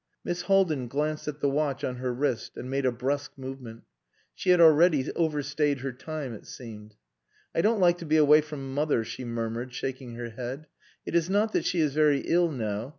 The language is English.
Miss Haldin glanced at the watch on her wrist and made a brusque movement. She had already overstayed her time, it seemed. "I don't like to be away from mother," she murmured, shaking her head. "It is not that she is very ill now.